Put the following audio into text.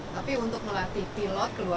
tapi untuk melatih pilot ke luar negeri